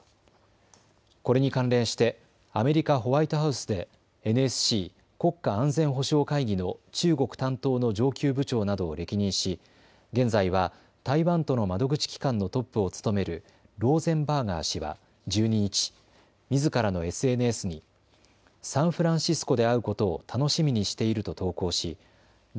これに関連してアメリカ・ホワイトハウスでＮＳＣ・国家安全保障会議の中国担当の上級部長などを歴任し現在は台湾との窓口機関のトップを務めるローゼンバーガー氏は１２日、みずからのＳＮＳにサンフランシスコで会うことを楽しみにしていると投稿し頼